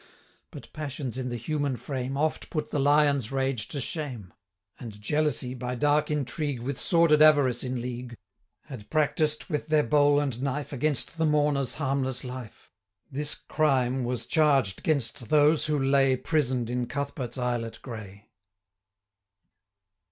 But passions in the human frame, 120 Oft put the lion's rage to shame: And jealousy, by dark intrigue, With sordid avarice in league, Had practised with their bowl and knife, Against the mourner's harmless life. 125 This crime was charged 'gainst those who lay Prison'd in Cuthbert's islet grey.